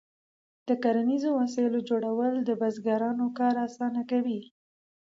د کرنیزو وسایلو جوړول د بزګرانو کار اسانه کوي.